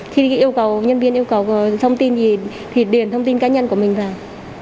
khi yêu cầu nhân viên yêu cầu thông tin gì thì điền thông tin cá nhân của mình vào